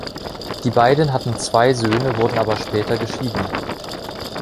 Die beiden hatten zwei Söhne, wurden aber später geschieden.